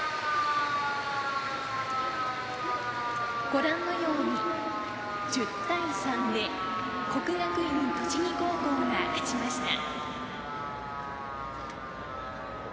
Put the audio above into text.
ご覧のように１０対３で国学院栃木高校が勝ちました。